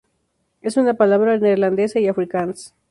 Es una palabra neerlandesa y afrikáans.